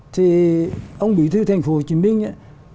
thì ông bí thư thành phố hồ chí minh á